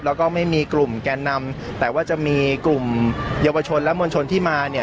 แล้วก็ไม่มีกลุ่มแกนนำแต่ว่าจะมีกลุ่มเยาวชนและมวลชนที่มาเนี่ย